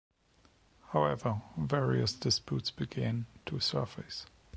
However, various disputes began to surface.